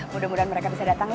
mudah mudahan mereka bisa datang